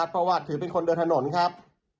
เพราะว่าถือเป็นคนเดินถนนครับ